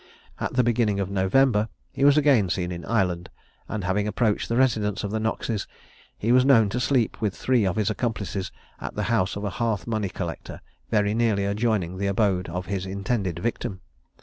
At the beginning of November he was again seen in Ireland; and having approached the residence of the Knoxes, he was known to sleep with three of his accomplices, at the house of a hearth money collector, very nearly adjoining the abode of his intended victim.